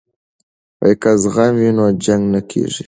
که زغم وي نو جنګ نه کیږي.